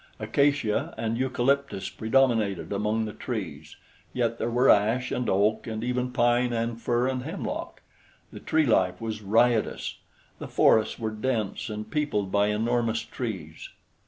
Acacia and eucalyptus predominated among the trees; yet there were ash and oak and even pine and fir and hemlock. The tree life was riotous. The forests were dense and peopled by enormous trees.